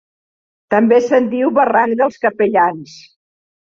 També se'n diu Barranc dels Capellans.